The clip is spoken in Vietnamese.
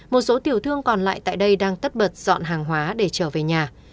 một số tiểu thương còn lại tại đây đang tất bật dọn hàng hóa để trở về nhà